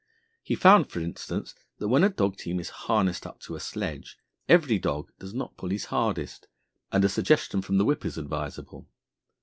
He found, for instance, that when a dog team is harnessed up to a sledge, every dog does not pull his hardest, and a suggestion from the whip is advisable.